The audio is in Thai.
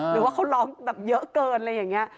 หรือว่าเขาร้องแบบเยอะเกินอะไรอย่างนี้